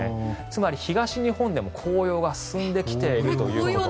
つまり、東日本でも紅葉が進んできているということ。